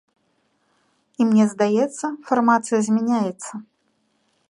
І мне здаецца, фармацыя змяняецца.